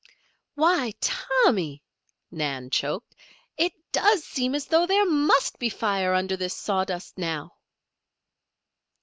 "Why, Tommy!" Nan choked. "It does seem as though there must be fire under this sawdust now."